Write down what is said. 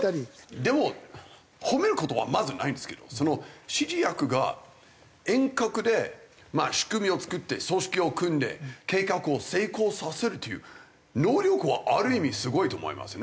でも褒める事はまずないんですけど指示役が遠隔で仕組みを作って組織を組んで計画を成功させるという能力はある意味すごいと思いますね。